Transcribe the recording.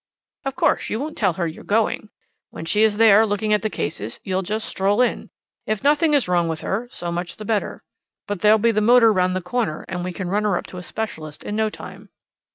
"Of course you won't tell her you're going. When she is there, looking at the cases, you'll just stroll in. If nothing is wrong with her, so much the better. But there'll be the motor round the corner, and we can run her up to a specialist in no time."